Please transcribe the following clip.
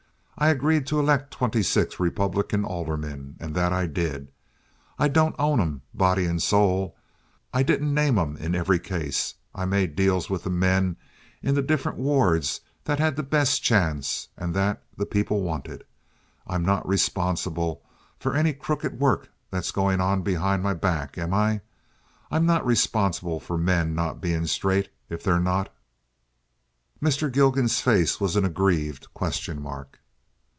"I agreed to elect twenty six Republican aldermen, and that I did. I don't own 'em body and soul. I didn't name 'em in every case. I made deals with the men in the different wards that had the best chance, and that the people wanted. I'm not responsible for any crooked work that's going on behind my back, am I? I'm not responsible for men's not being straight if they're not?" Mr. Gilgan's face was an aggrieved question mark.